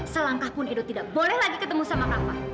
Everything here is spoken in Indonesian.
selangkah pun edo tidak boleh lagi ketemu sama kava